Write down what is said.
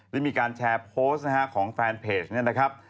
ได้มีการแชร์โพสต์ของแฟนเพจนะครับ